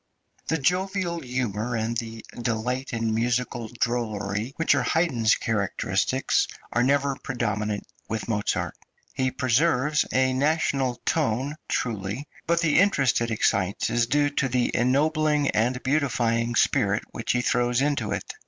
} (298) The jovial humour and the delight in musical drollery which are Haydn's characteristics are never predominant with Mozart; he preserves a national tone, truly, but the interest it excites is due to the ennobling and beautifying spirit which he throws into it.